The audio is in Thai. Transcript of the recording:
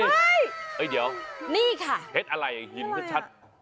เฮ้ยเดี๋ยวเพชรอะไรหินชัดนี่ค่ะ